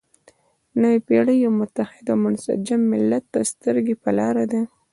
نوې پېړۍ یو متحد او منسجم ملت ته سترګې په لاره ده.